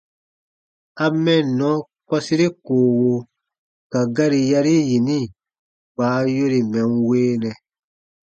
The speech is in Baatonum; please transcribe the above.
A « mɛnnɔ » kɔsire koowo ka gari yari yini kpa a yore mɛ̀ n weenɛ.